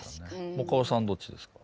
もかおさんどっちですか？